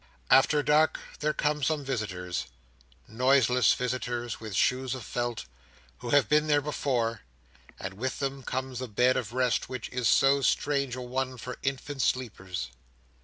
After dark there come some visitors—noiseless visitors, with shoes of felt—who have been there before; and with them comes that bed of rest which is so strange a one for infant sleepers.